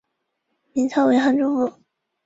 明朝为杭州府。